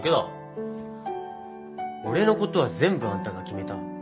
俺のことは全部あんたが決めた。